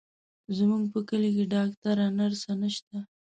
زموږ په کلي کې ډاکتره، نرسه نشته،